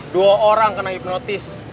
dua orang kena hipnotis